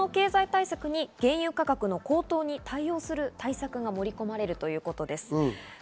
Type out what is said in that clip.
この経済対策に原油価格の高騰に対応する対策が盛り込まれるといいます。